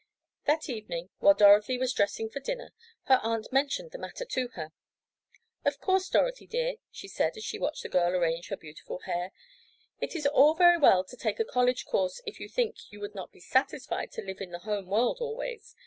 That evening, while Dorothy was dressing for dinner, her aunt mentioned the matter to her. "Of course, Dorothy dear," she said as she watched the girl arrange her beautiful hair, "it is all very well to take a college course if you think you would not be satisfied to live in the home world always.